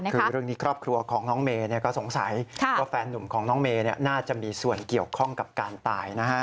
คือเรื่องนี้ครอบครัวของน้องเมย์ก็สงสัยว่าแฟนนุ่มของน้องเมย์น่าจะมีส่วนเกี่ยวข้องกับการตายนะฮะ